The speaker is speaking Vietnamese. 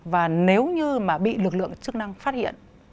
và nếu như mà bị lực lượng chức năng phát hiện